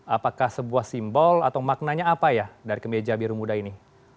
apakah sebuah simbol atau maknanya apa ya dari kemeja biru muda ini